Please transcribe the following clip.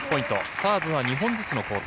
サーブは２本ずつの交代。